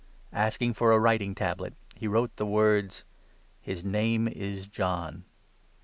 Asking for a writing tablet, he 63 wrote the words — 'His name is John.'